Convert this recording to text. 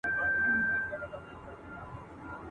شپه او ورځ په یوه بل پسي لګیا وي !.